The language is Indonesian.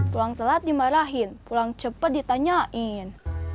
pulang telat dimarahin pulang cepat ditanyain